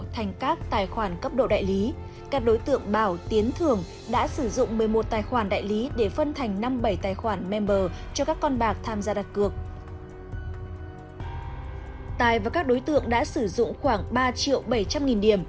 tài và các đối tượng đã sử dụng khoảng ba triệu bảy trăm linh nghìn điểm